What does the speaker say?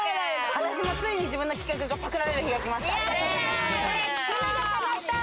私もついに自分の企画がパクられる日が来ました。